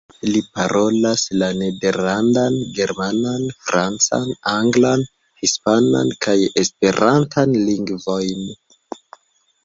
Li parolas la Nederlandan, Germanan, Francan, Anglan, Hispanan, kaj Esperantan lingvojn.